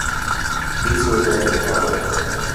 Please order at the bar.